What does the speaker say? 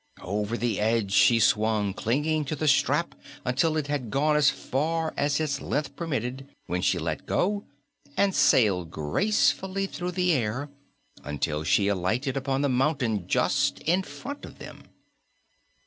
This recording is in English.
Over the edge she swung, clinging to the strap until it had gone as far as its length permitted, when she let go and sailed gracefully through the air until she alighted upon the mountain just in front of them.